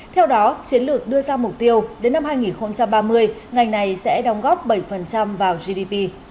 theo đó chiến lược đưa ra mục tiêu đến năm hai nghìn ba mươi ngành này sẽ đóng góp bảy vào gdp